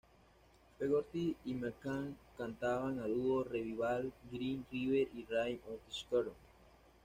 Fogerty y Mellencamp cantaban a dúo Revival, Green River y Rain on the Scarecrow.